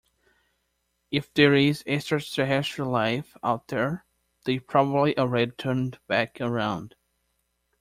If there is extraterrestrial life out there, they've probably already turned back around.